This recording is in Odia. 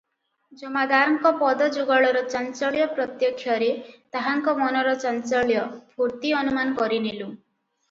ଜମାଦାରଙ୍କ ପଦଯୁଗଳର ଚାଞ୍ଚଲ୍ୟ ପ୍ରତ୍ୟକ୍ଷରେ ତାହାଙ୍କ ମନର ଚାଞ୍ଚଲ୍ୟ, ଫୁର୍ତ୍ତି ଅନୁମାନ କରି ନେଲୁଁ ।